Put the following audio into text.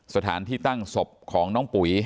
สถานที่ตั้งศพของน้องปุ๋ย